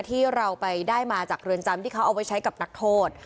ที่เราไปได้มาจากเรือนจำที่เขาเอาไว้ใช้กับนักโทษ